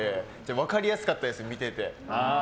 分かりやすかったです、見てて。